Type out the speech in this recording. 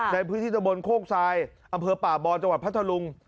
ในพื้นที่ตะบนโคกทรายอำเภอป่าบอนจังหวัดพัทธลุง